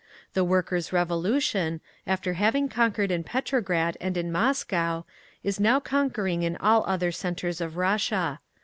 The Workers' Revolution, after having conquered in Petrograd and in Moscow, is now conquering in all other centres of Russia.